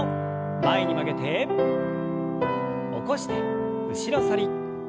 前に曲げて起こして後ろ反り。